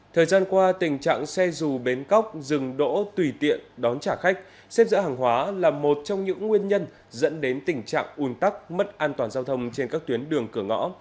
thời gian qua tình trạng xe dù bến cóc rừng đỗ tùy tiện đón trả khách xếp dỡ hàng hóa là một trong những nguyên nhân dẫn đến tình trạng ùn tắc mất an toàn giao thông trên các tuyến đường cửa ngõ